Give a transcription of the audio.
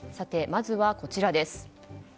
まずは、こちらです。